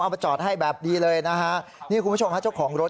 มาจอดให้แบบนี้เลยนะฮะนี่คุณผู้ชมฮะเจ้าของรถ